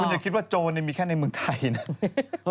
อย่าคิดว่าโจรมีแค่ในเมืองไทยนะ